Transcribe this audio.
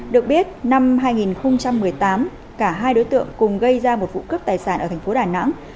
được biết năm hai nghìn một mươi tám cả hai đối tượng cùng gây ra một vụ cướp tài sản ở thành phố đà nẵng